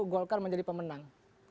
golkar menjadi pemenang